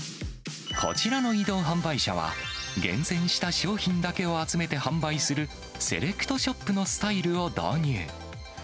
こちらの移動販売車は、厳選した商品だけを集めて販売する、セレクトショップのスタイルを導入。